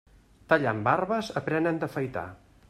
Tallant barbes, aprenen d'afaitar.